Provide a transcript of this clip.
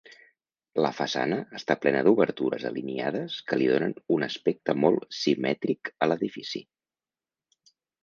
La façana està plena d'obertures alineades que li donen un aspecte molt simètric a l'edifici.